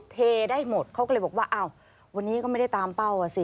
เทได้หมดเขาก็เลยบอกว่าอ้าววันนี้ก็ไม่ได้ตามเป้าอ่ะสิ